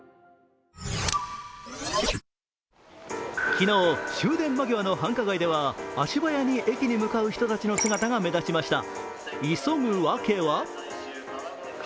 昨日、終電間際の繁華街では足早に駅に向かう人たちの姿が目立ちました。